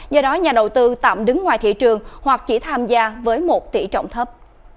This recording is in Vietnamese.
do đó nhà đầu tư tạm đứng ngoài thị trường hoặc chỉ tham gia với một tỷ trọng thấp